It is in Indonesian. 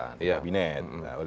oleh karena itu